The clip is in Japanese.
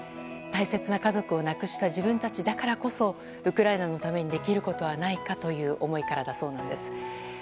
大切な家族を亡くした自分たちだからこそウクライナのためにできることはないかという思いからだそうなんです。